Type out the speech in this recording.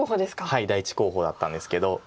はい第１候補だったんですけど。